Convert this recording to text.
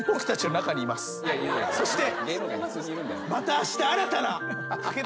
そして。